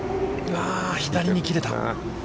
左に切れた。